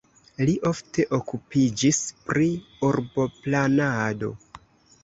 Li ofte okupiĝis pri urboplanado.